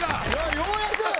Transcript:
ようやく。